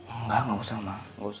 enggak gak usah ma